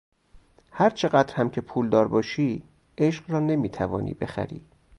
هرچقدر هم که پولدار باشی عشق را نمیتوانی بخری.